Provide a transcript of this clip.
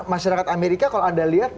masyarakat amerika kalau anda lihat